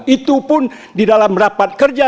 itu pun di dalam rapat kerja